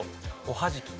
おはじき？